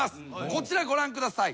こちらご覧ください。